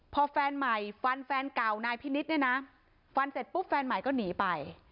พอแฟนใหม่ฟันแฟนเก่านายพินิษฐ์เนี่ยนะฟันเสร็จปุ๊บแฟนใหม่ก็หนีไป